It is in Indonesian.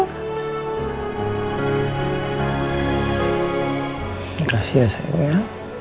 terima kasih ya sayangnya